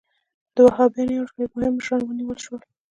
د وهابیانو یو شمېر مهم مشران ونیول شول.